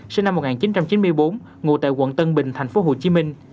sinh năm một nghìn chín trăm chín mươi bốn ngụ tại quận tân bình thành phố hồ chí minh